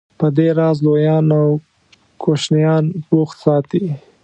په دې راز لویان او کوشنیان بوخت ساتي.